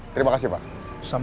terima kasih pak sama sama